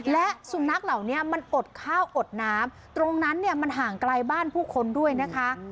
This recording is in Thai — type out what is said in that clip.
และสุนัขเหล่านี้มันอดข้าวอดน้ำตรงนั้นเนี่ยมันห่างไกลบ้านผู้คนด้วยนะคะ